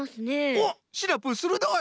おっシナプーするどい！